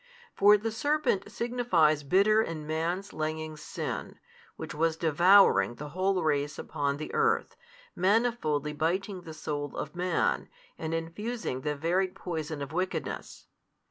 For the serpent signifies bitter and manslaying sin, which was devouring the whole race upon the earth, manifoldly biting the soul of man, and infusing the varied poison of wickedness.